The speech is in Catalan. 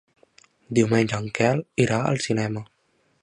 Diumenge en Quel irà al cinema.